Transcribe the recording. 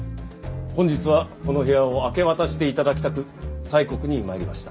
本日はこの部屋を明け渡して頂きたく催告に参りました。